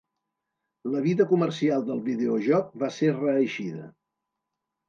La vida comercial del videojoc va ser reeixida.